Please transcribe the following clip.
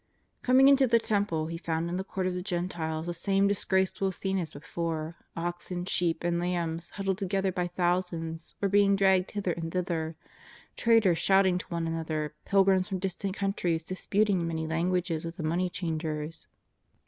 Coming into the Temple, He found in the Court of the Gentiles the same dis graceful scene as before — oxen, sheep and lambs huddled together by thousands, or being dragged hither and thither, traders shouting to one another, pilgrims from distant countries disputing in many languages with the money changers.